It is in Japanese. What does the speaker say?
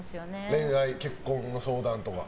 恋愛、結婚の相談とか？